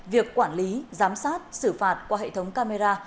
việc quản lý giám sát xử phạt qua hệ thống camera